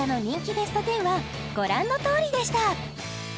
ベスト１０はご覧のとおりでした